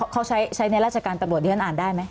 เขาใช้ในราชกรรมตะโบดเดี้ยงอ่านได้ไหม